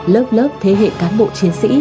lớp lớp thế hệ cán bộ chiến sĩ